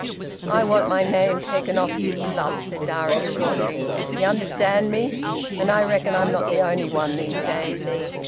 "I want my name taken off this Club," said Darius shortly. "Ye understand me! And I reckon I'm not the only one, these days."